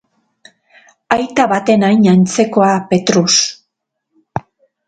Aita baten hain antzekoa, Petrus.